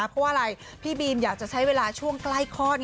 เพราะว่าอะไรพี่บีมอยากจะใช้เวลาช่วงใกล้คลอด